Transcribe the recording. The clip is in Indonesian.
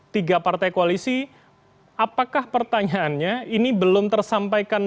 tiga partai koalisi apakah pertanyaannya ini belum tersampaikan